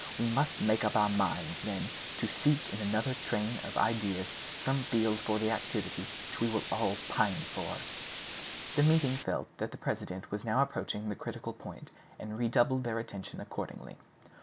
We must make up our minds, then, to seek in another train of ideas some field for the activity which we all pine for." The meeting felt that the president was now approaching the critical point, and redoubled their attention accordingly.